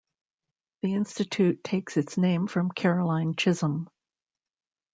The Institute takes its name from Caroline Chisholm.